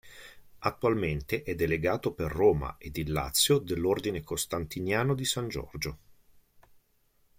Attualmente è delegato per Roma ed il Lazio dell'Ordine Costantiniano di San Giorgio.